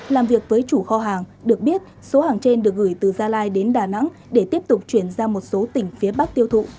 làm việc với chủ kho hàng được biết số hàng trên được gửi từ gia lai đến đà nẵng để tiếp tục chuyển ra một số tỉnh phía bắc tiêu thụ